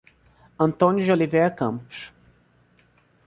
Antônio de Oliveira Campos